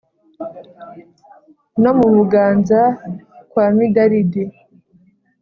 no mu buganza kwa midalidi